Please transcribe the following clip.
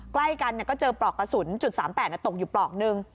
ใกล้กันก็เจอปลอกกระสุน๓๘ตกอยู่ปลอกนึง